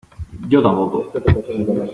yo tampoco.